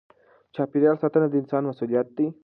چاپېریال ساتنه د انسان مسؤلیت دی.